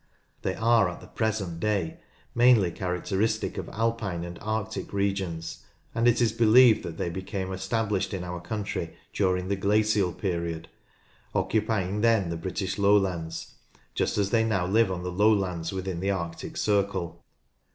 They are at the present day mainly characteristic of alpine and arctic regions, and it is believed that they became established in our country during the glacial period, occupying then the British lowlands, just as they now live on the lowlands within the arctic circle.